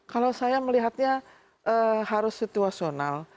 kalau saya melihatnya harus situasional